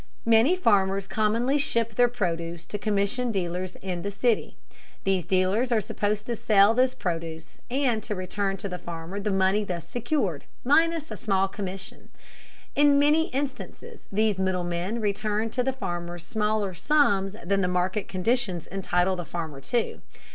Many farmers commonly ship their produce to commission dealers in the city. These dealers are supposed to sell this produce and to return to the farmer the money thus secured, minus a small commission. In many instances these middlemen return to the farmer smaller sums than market conditions entitle the farmer to.